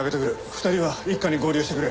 ２人は一課に合流してくれ。